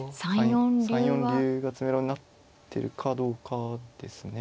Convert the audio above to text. ３四竜が詰めろになってるかどうかですね。